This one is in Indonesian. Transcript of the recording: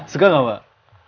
suka gak mbak